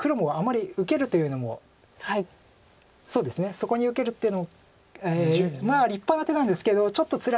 そこに受けるっていうのまあ立派な手なんですけどちょっとつらいかなと。